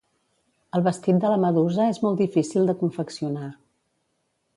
El vestit de la medusa és molt difícil de confeccionar.